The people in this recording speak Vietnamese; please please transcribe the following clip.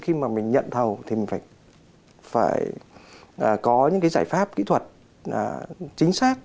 khi mà mình nhận thầu thì mình phải có những cái giải pháp kỹ thuật chính xác